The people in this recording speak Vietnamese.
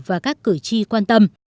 và các cử tri quan tâm